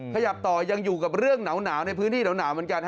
ขยับต่อยังอยู่กับเรื่องหนาวในพื้นที่หนาวเหมือนกัน